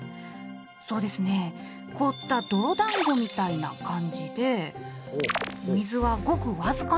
そうですね凍った泥だんごみたいな感じで水はごく僅かなんですって。